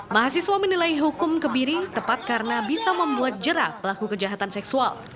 mahasiswa menilai hukum kebiri tepat karena bisa membuat jerah pelaku kejahatan seksual